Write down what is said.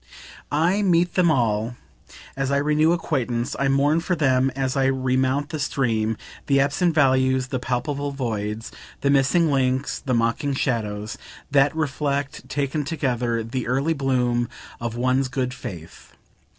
I meet them all, as I renew acquaintance, I mourn for them all as I remount the stream, the absent values, the palpable voids, the missing links, the mocking shadows, that reflect, taken together, the early bloom of one's good faith.